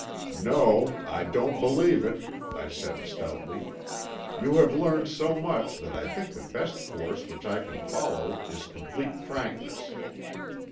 "No, I don't believe it," I said stoutly. "You have learned so much that I think the best course which I can follow is complete frankness.